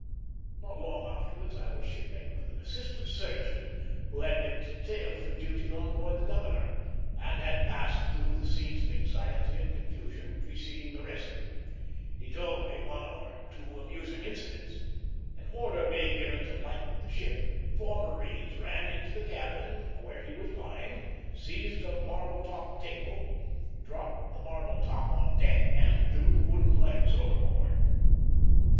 Not long afterwards I was shipmate with an assistant surgeon who had been detailed for duty on board the Governor, and had passed through the scenes of anxiety and confusion preceding the rescue. He told me one or two amusing incidents. An order being given to lighten the ship, four marines ran into the cabin where he was lying, seized a marble top table, dropped the marble top on deck, and threw the wooden legs overboard.